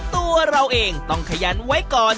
ตัวเราเองต้องขยันไว้ก่อน